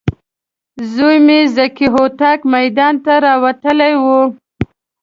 زوی مې ذکي هوتک میدان ته راوتلی و.